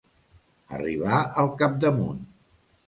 Arribar al capdamunt.